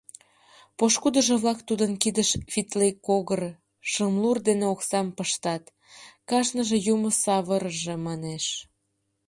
Пошкудыжо-влак тудын кидыш витлекогыр, шымлур дене оксам пыштат, кажныже «юмо савырыже» манеш.